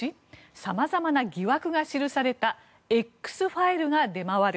さまざまな疑惑が記されたＸファイルが出回る。